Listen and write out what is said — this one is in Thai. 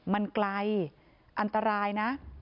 มันไกลอันตรายนะ